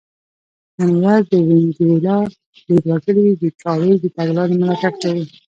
نن ورځ د وینزویلا ډېر وګړي د چاوېز د تګلارې ملاتړ کوي.